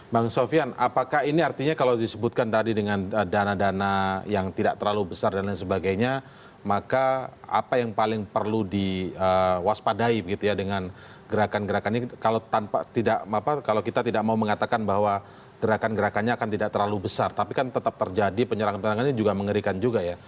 bang sofyan apakah ini artinya kalau disebutkan tadi dengan dana dana yang tidak terlalu besar dan lain sebagainya maka apa yang paling perlu diwaspadai gitu ya dengan gerakan gerakan ini kalau tanpa tidak apa kalau kita tidak mau mengatakan bahwa gerakan gerakannya akan tidak terlalu besar tapi kan tetap terjadi penyerangan penyerangannya juga mengerikan juga ya